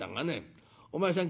お前さん